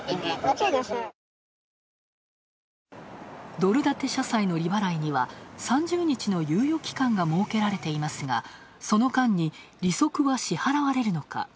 ドル建て社債の利払いには３０日の猶予期間が設けられていますがその間に、利息は支払われるのか。